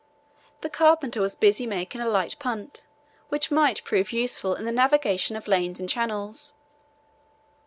The carpenter was busy making a light punt, which might prove useful in the navigation of lanes and channels.